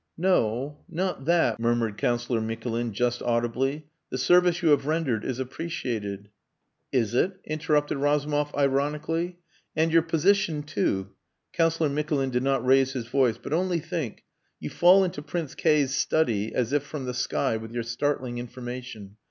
"No. Not that," murmured Councillor Mikulin, just audibly. "The service you have rendered is appreciated...." "Is it?" interrupted Razumov ironically. "...and your position too." Councillor Mikulin did not raise his voice. "But only think! You fall into Prince K 's study as if from the sky with your startling information....